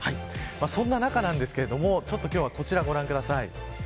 そんな中ですが今日はこちらをご覧ください。